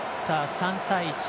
３対１。